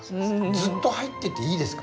ずっと入ってていいですか？